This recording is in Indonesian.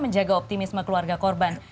menjaga optimisme keluarga korban